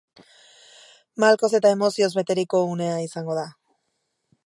Malkoz eta emozioz beteriko unea izango da.